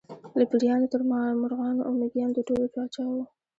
له پېریانو تر مرغانو او مېږیانو د ټولو پاچا و.